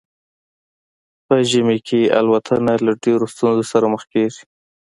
په ژمي کې الوتنه له ډیرو ستونزو سره مخ کیږي